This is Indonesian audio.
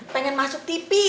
pengen masuk tv